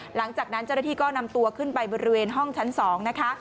หลังจากนั้นเจ้าหน้าที่ก็นำตัวขึ้นไปบริเวณห้องชั้น๒นะคะ